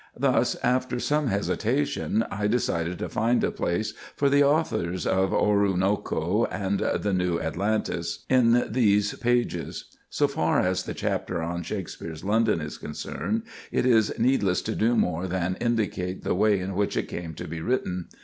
Thus, after some hesitation, I decided to find a place for the authors of "Oroonoko" and "The New Atalantis" in these pages. So far as the chapter on Shakspere's London is concerned, it is needless to do more than indicate the way in which it came to be written.